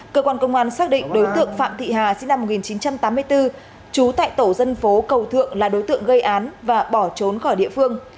cơ quan công an xác định đối tượng phạm thị hà sinh năm một nghìn chín trăm tám mươi bốn trú tại tổ dân phố cầu thượng là đối tượng gây án và bỏ trốn khỏi địa phương